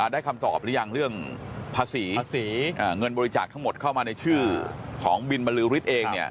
ได้คำตอบหรือยังเรื่องภาษีเงินบริจาคทั้งหมดเข้ามาในชื่อของบิ๊นบริษฐ์เองเนี่ย